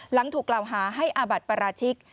หลังถูกกล่าวหาให้อาบัติปราชิก